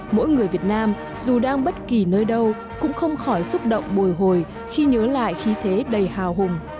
mỗi người việt nam dù đang bất kỳ nơi đâu cũng không khỏi xúc động bồi hồi khi nhớ lại khí thế đầy hào hùng